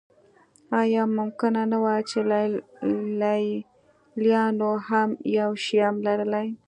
ایا ممکنه نه وه چې لېلیانو هم یو شیام لرلی.